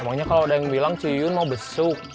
emangnya kalau ada yang bilang ci yun mau besuk